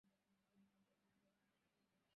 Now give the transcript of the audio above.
আমি স্বচক্ষে এটা ঘটনাস্থলে প্রত্যক্ষ করেছি।